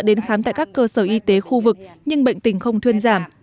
tôi đã đến khám tại các cơ sở y tế khu vực nhưng bệnh tình không thuyên giảm